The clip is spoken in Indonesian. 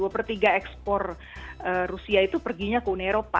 dua per tiga ekspor rusia itu perginya ke uni eropa